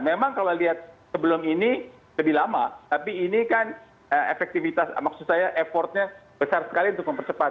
memang kalau lihat sebelum ini lebih lama tapi ini kan efektivitas maksud saya effortnya besar sekali untuk mempercepat